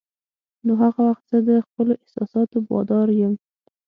نو هغه وخت زه د خپلو احساساتو بادار یم.